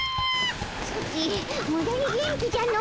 ソチムダに元気じゃの。